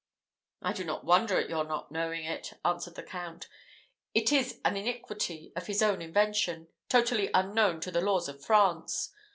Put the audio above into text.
"I do not wonder at your not knowing it," answered the Count: "it is an iniquity of his own invention, totally unknown to the laws of France.